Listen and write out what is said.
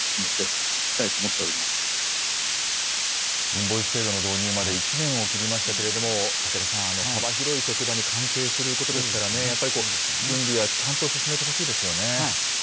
インボイス制度の導入まで１年を切りましたけれども、竹田さん、幅広い職場に関係することですからね、やっぱり準備はちゃんと進めてほしいですよね。